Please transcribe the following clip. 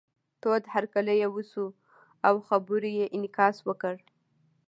تود هرکلی یې وشو او خبرو یې انعکاس وکړ.